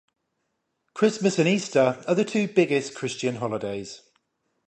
Christmas and Easter are the two biggest Christian holidays.